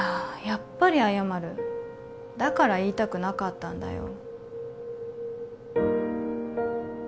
やっぱり謝るだから言いたくなかったんだよ